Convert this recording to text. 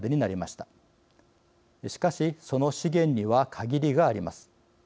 しかしその資源には限りがあります。